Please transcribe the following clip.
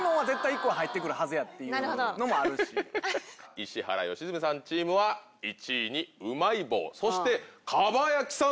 石原良純さんチームは１位にうまい棒そして蒲焼さん